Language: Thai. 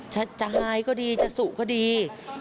จะจ่ายก็ดีจะสุก็ดี